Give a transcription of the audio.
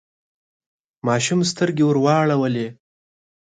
ماشوم سترګې ورواړولې.